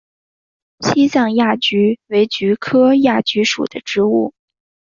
西藏亚菊为菊科亚菊属的植物。